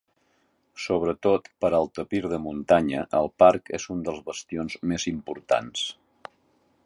Sobretot per al tapir de muntanya el parc és un dels bastions més importants.